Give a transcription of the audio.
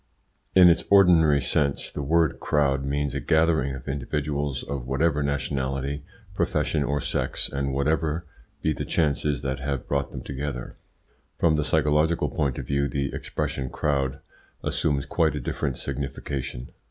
In its ordinary sense the word "crowd" means a gathering of individuals of whatever nationality, profession, or sex, and whatever be the chances that have brought them together. From the psychological point of view the expression "crowd" assumes quite a different signification.